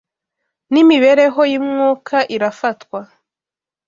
N’imibereho y’umwuka irafatwa,